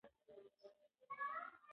پوهه لرونکې مور ماشوم ته مېوه ورکوي.